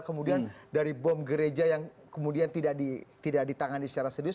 kemudian dari bom gereja yang kemudian tidak ditangani secara serius